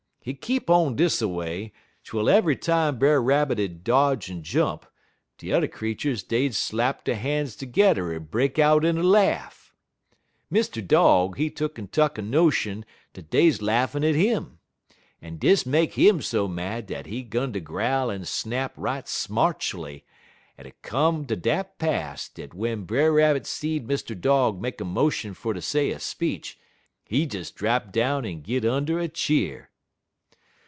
Hit keep on dis a way, twel eve'y time Brer Rabbit'd dodge en jump, de t'er creeturs dey'd slap der han's terge'er en break out in a laugh. Mr. Dog, he tuck'n tuck a notion dat dey 'uz laughin' at him, en dis make 'im so mad dat he 'gun ter growl en snap right smartually, en it come ter dat pass dat w'en Brer Rabbit'd see Mr. Dog make a motion fer ter say a speech, he'd des drap down en git und' de cheer.